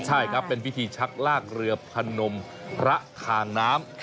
ใช่ครับเป็นพิธีชักลากเรือพนมพระทางน้ำ